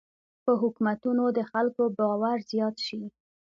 په حکومتونو د خلکو باور زیات شي.